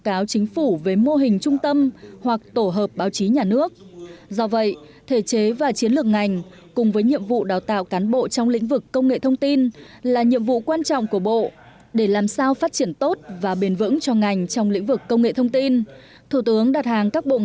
báo chí mòi móc đời tư vi phạm quyền công người quyền công dân